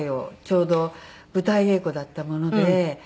ちょうど舞台稽古だったもので。